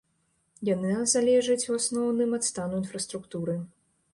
Яна залежыць у асноўным ад стану інфраструктуры.